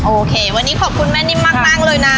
โอเควันนี้ขอบคุณแม่นิ่มมากเลยนะ